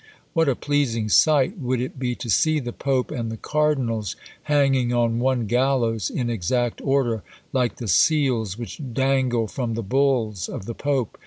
What a pleasing sight would it be to see the Pope and the Cardinals hanging on one gallows in exact order, like the seals which dangle from the bulls of the Pope!